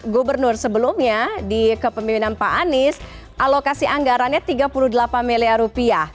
gubernur sebelumnya di kepemimpinan pak anies alokasi anggarannya tiga puluh delapan miliar rupiah